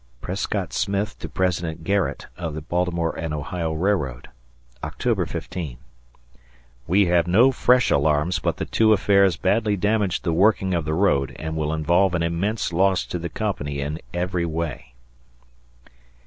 [Prescott Smith to President Garrett of the Baltimore and Ohio Railroad] October 15. We have no fresh alarms but the two affairs badly damaged the working of the road and will involve an immense loss to the company in every way.